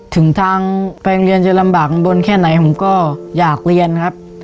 ถึงทางแฟนเรียนจะลำบากบนแค่ไหนผมก็อยากเรียนครับ